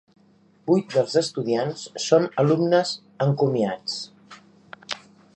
Vuit dels estudiants són alumnes encomiats.